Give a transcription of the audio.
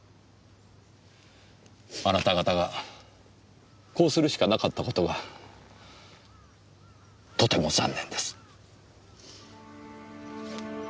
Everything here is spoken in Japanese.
あなた方がこうするしかなかった事がとても残念です。